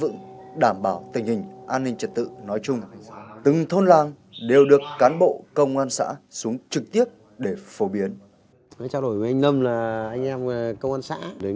nói chung từng thôn làng đều được cán bộ công an xã xuống trực tiếp để phổ biến